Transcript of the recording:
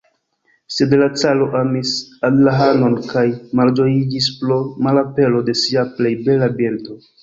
Sed la caro amis Adrahanon kaj malĝojiĝis pro malapero de sia plej bela birdo.